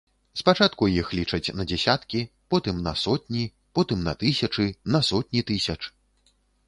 Спачатку іх лічаць на дзесяткі, потым на сотні, потым на тысячы, на сотні тысяч.